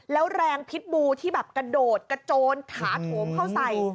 แล้วแรงพิษบูที่แบบกระโดดกระโจนถาโถมเข้าใส่